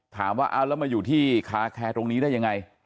ถามว่าเอาแล้วมาอยู่ที่คาแคร์ตรงนี้ได้ยังไง